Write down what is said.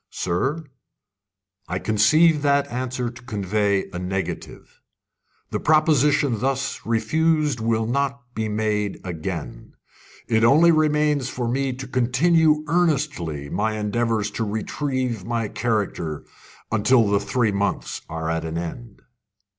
"Sir, I conceive that answer to convey a negative. The proposition thus refused will not be made again. It only remains for me to continue earnestly my endeavours to retrieve my character until the three months are at an end."